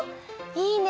いいね！